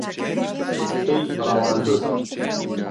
کفتەی ڕەواندز